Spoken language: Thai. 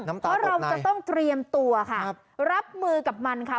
น้ำตาบกในคุณต้องฟังเพราะเราจะต้องเตรียมตัวค่ะรับมือกับมันค่ะ